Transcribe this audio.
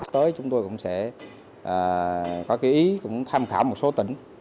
tới chúng tôi cũng sẽ có ý tham khảo một số tỉnh